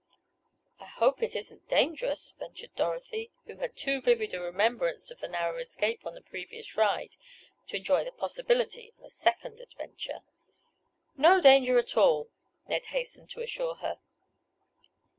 "I hope it isn't dangerous," ventured Dorothy, who had too vivid a remembrance of the narrow escape on a previous ride, to enjoy the possibility of a second adventure. "No danger at all," Ned hastened to assure her.